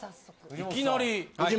いきなり。